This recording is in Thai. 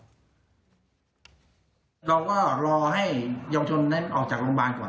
เราก็รอให้เยาวชนนั้นออกจากโรงพยาบาลก่อน